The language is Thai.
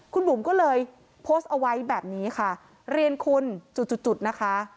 คุณบุ๋มก็เลยโพสต์เอาไว้แบบนี้ค่ะเรียนคุณจุดจุดนะคะ